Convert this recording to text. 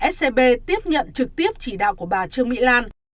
scb tiếp nhận trực tiếp chỉ đạo của bà trương mỹ lan